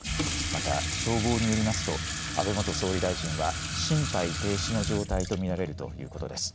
また消防によりますと安倍元総理大臣は心肺停止の状態と見られるということです。